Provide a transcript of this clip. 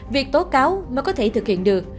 việc tố cáo mới có thể thực hiện được